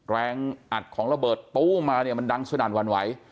แรงอัดของระเบิดตู้มาเนี่ยมันดังสนั่นหวั่นไหว